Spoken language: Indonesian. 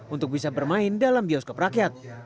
untuk bisa bermain dalam bioskop rakyat